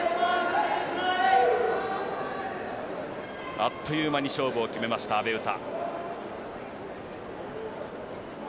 あっという間に勝負を決めました阿部詩。